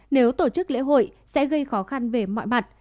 nếu tổ chức lễ hội sẽ gây khó khăn về mọi mặt